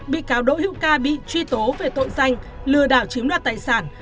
bị cáo đỗ hữu ca bị truy tố về tội danh lừa đảo chiếm đoạt tài sản